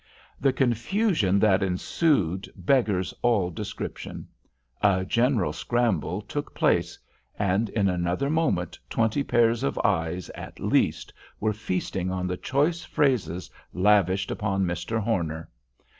The confusion that ensued beggars all description. A general scramble took place, and in another moment twenty pairs of eyes, at least, were feasting on the choice phrases lavished upon Mr. Horner.